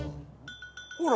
ほら。